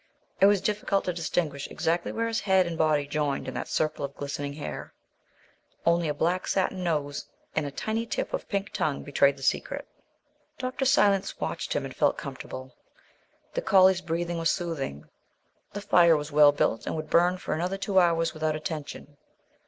It was difficult to distinguish exactly where his head and body joined in that circle of glistening hair; only a black satin nose and a tiny tip of pink tongue betrayed the secret. Dr. Silence watched him, and felt comfortable. The collie's breathing was soothing. The fire was well built, and would burn for another two hours without attention.